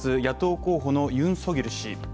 野党候補のユン・ソギョル氏。